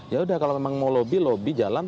ya udah kalau memang mau lobby lobby jalan